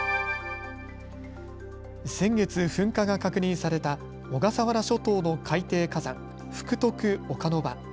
先月、噴火が確認された小笠原諸島の海底火山、福徳岡ノ場。